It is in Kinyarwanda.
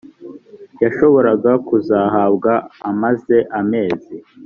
yashoboraga kuzahabwa amaze amezi